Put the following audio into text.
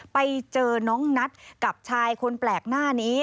ไปเจอน้องนัทกับชายคนแปลกหน้านี้